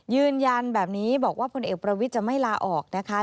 ยืนยันแบบนี้บอกว่าพลเอกประวิทย์จะไม่ลาออกนะคะ